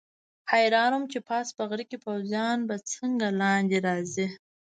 حیران وم چې پاس په غره کې پوځیان به څنګه لاندې راځي.